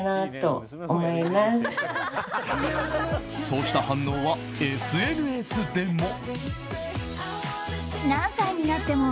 そうした反応はＳＮＳでも。